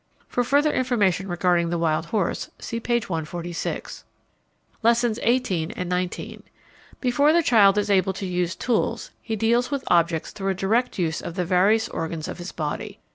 (For further information regarding the wild horse, see p. 146.) Lessons XVIII. and XIX. Before the child is able to use tools, he deals with objects through a direct use of the various organs of his body.